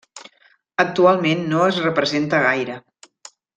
Actualment no es representa gaire.